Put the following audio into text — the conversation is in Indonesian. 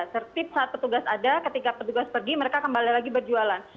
tertip saat petugas ada ketika petugas pergi mereka kembali lagi berjualan